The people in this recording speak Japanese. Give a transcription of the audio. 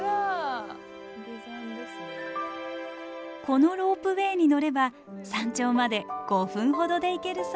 このロープウェイに乗れば山頂まで５分ほどで行けるそう。